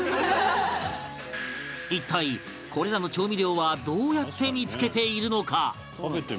一体これらの調味料はどうやって見付けているのか？